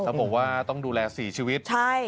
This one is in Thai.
แล้วบอกว่าต้องดูแลสี่ชีวิตใช่